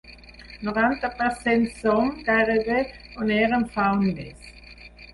Noranta per cent Som, gairebé, on érem fa un mes.